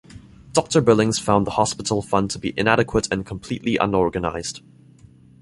Doctor Billings found the hospital fund to be inadequate and completely unorganized.